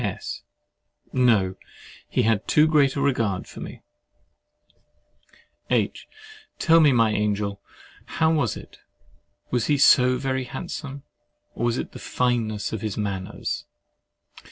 S. No—he had too great a regard for me. H. Tell me, my angel, how was it? Was he so very handsome? Or was it the fineness of his manners? S.